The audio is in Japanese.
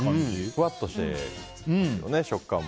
ふわっとしてますよね食感も。